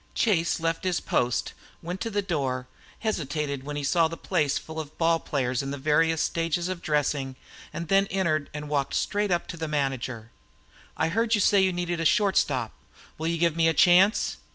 Chase left his post, went to the door, hesitated when he saw the place full of ball players in the various stages of dressing, and then entered and walked straight up to the manager. "I heard you say you needed a shortstop. Will you give me a chance?"